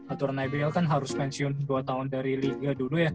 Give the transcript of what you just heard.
aturan ibl kan harus pensiun dua tahun dari liga dulu ya